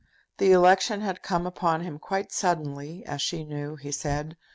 The election had come upon him quite suddenly, as she knew, he said.